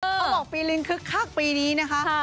เขาบอกปีลิงคึกคักปีนี้นะคะ